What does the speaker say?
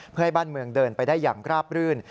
เพื่อให้บ้านเมืองเดินไปได้อย่างราบรื่น